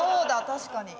確かに。